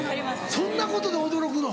そんなことで驚くの？